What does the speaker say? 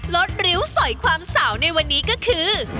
ลดริ้วสอยความสาวในวันนี้ก็คือ